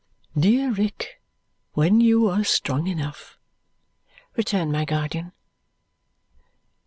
"Dear Rick, when you are strong enough," returned my guardian.